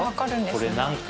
これ何か。